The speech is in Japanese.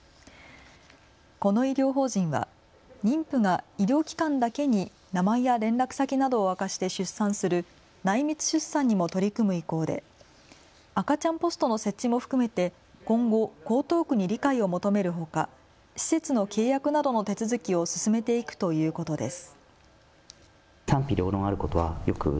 この医療法人は妊婦が医療機関だけに名前や連絡先などを明かして出産する内密出産にも取り組む意向で赤ちゃんポストの設置も含めて今後、江東区に理解を求めるほか施設の契約などの手続きを進めていくということです。